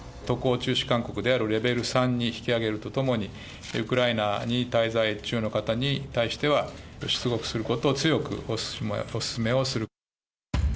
渡航中止勧告であるレベル３に引き上げるとともに、ウクライナに滞在中の方に対しては、出国することを強くお勧めをする。